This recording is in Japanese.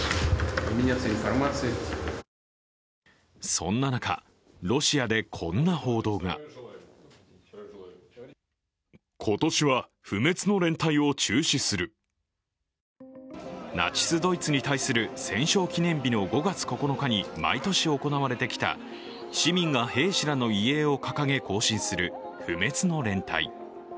そんな中、ロシアでこんな報道がナチス・ドイツに対する戦勝記念日の５月９日に毎年行われてきた市民が兵士らの遺影を掲げ、行進する、不滅の連隊。